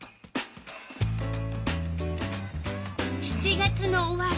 ７月の終わり。